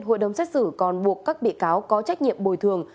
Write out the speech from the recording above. hội đồng xét xử còn buộc các bị cáo có trách nhiệm bồi thường